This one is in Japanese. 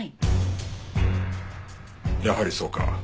やはりそうか。